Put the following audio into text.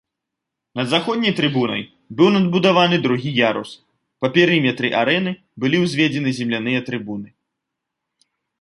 Над заходняй трыбунай быў надбудаваны другі ярус, па перыметры арэны былі ўзведзены земляныя трыбуны.